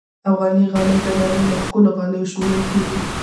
افغاني غالۍ د نړۍ له ښکلو غالیو شمېرل کېږي.